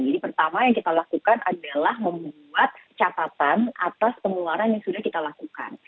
jadi pertama yang kita lakukan adalah membuat catatan atas pengeluaran yang sudah kita lakukan